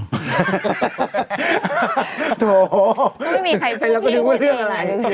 ก็ไม่มีใครพูดพี่อะไร